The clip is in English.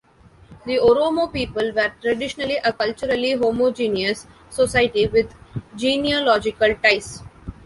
The Oromo people were traditionally a culturally homogeneous society with genealogical ties.